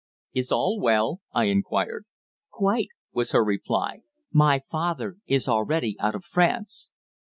"Is all well?" I inquired. "Quite," was her reply. "My father is already out of France."